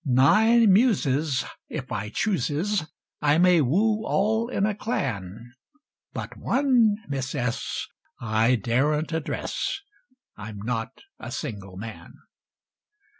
Nine Muses, if I chooses, I May woo all in a clan, But one Miss S I daren't address I'm not a single man.